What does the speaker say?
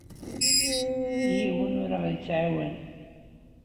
Yiwen ur aɣ-yettɛawan.